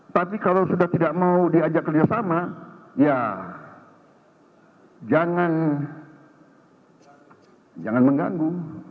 tapi kalau sudah tidak mau diajak kerjasama ya jangan mengganggu